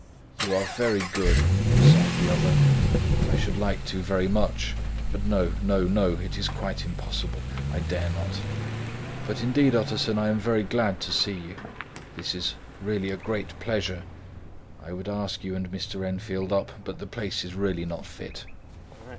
"You are very good," sighed the other. "I should like to very much; but no, no, no, it is quite impossible; I dare not. But indeed, Utterson, I am very glad to see you; this is really a great pleasure; I would ask you and Mr. Enfield up, but the place is really not fit."